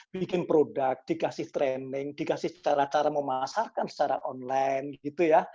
bikin produk dikasih training dikasih cara cara memasarkan secara online gitu ya